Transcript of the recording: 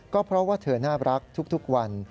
ก็เพราะว่าเธอน่ารักทุกวัน